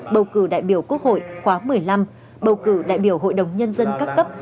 bầu cử đại biểu quốc hội khóa một mươi năm bầu cử đại biểu hội đồng nhân dân các cấp